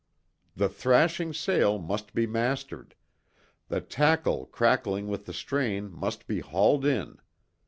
The thrashing sail must be mastered; the tackle cracking with the strain must be hauled in.